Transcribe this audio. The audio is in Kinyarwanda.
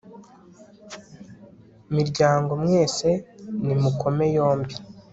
miryango mwese, nimukome yombi